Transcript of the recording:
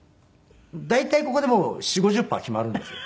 大体ここでもう４０５０パーは決まるんですよ。